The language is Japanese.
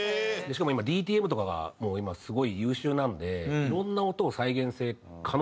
しかもＤＴＭとかがもう今すごい優秀なんでいろんな音を再現性可能なんですよ。